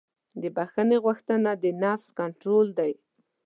د بښنې غوښتنه د نفس کنټرول دی.